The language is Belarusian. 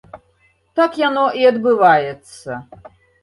Так яно і адбываецца.